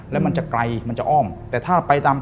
และมันจะไกลมันจะอ้อม